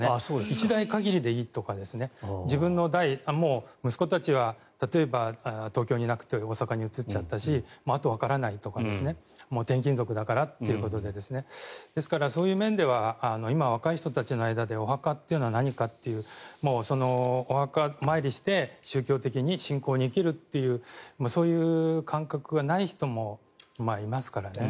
１代限りでいいとか自分の代、息子たちは例えば東京にいなくて大阪に移っちゃったしあとわからないとか転勤族だからということでですねですから、そういう面では今、若い人たちの間でお墓っていうのは何かっていうお墓参りして宗教的に信仰に生きるというそういう感覚はない人もいますからね。